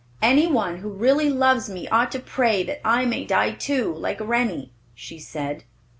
"Any one who really loves me ought to pray that I may die, too, like Rennie," she said.